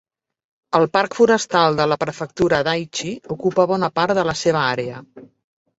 El parc forestal de la Prefectura d'Aichi ocupa bona part de la seva àrea.